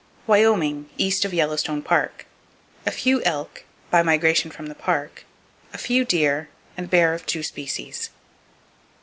Wyoming, East Of Yellowstone Park : A few elk, by migration from the Park; a few deer, and bear of two species.